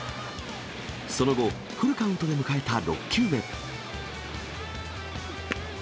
その後、フルカウントで迎えた６球目。